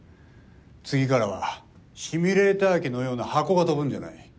次からはシミュレーター機のような箱が飛ぶんじゃない。